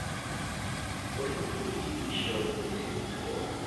Looking for the TV show the Tin Toy